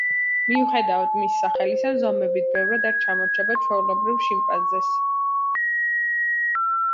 მიუხედავად მისი სახელისა ზომებით ბევრად არ ჩამორჩება ჩვეულებრივ შიმპანზეს.